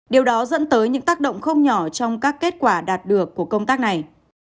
điều đó dẫn tới những tác động không nhỏ trong các kết quả đạt được của công tác này